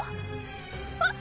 あっ！